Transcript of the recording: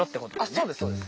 そうですそうです。